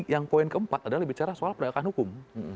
yang poin keempat adalah bicara soal penegakan hukum